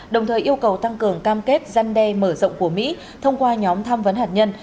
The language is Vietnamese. đồng thời yêu cầu tăng cường cam kết gian đe mở rộng của mỹ thông qua nhóm tham vấn hạt nhân